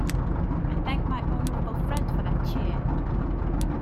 I thank my honourable friend for that cheer.